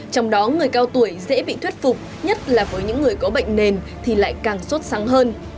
trong đó người cao tuổi dễ bị thuyết phục nhất là với những người có bệnh nền thì lại càng sốt sáng hơn